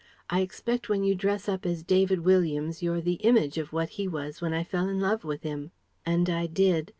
I expect when you dress up as David Williams you're the image of what he was when I fell in love with him. "And I did.